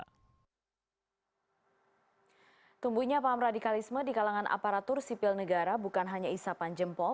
tumbuhnya paham radikalisme di kalangan aparatur sipil negara bukan hanya isapan jempol